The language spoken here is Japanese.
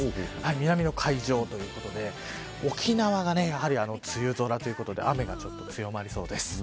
南の海上ということで沖縄がやはり梅雨空ということで雨が強まりそうです。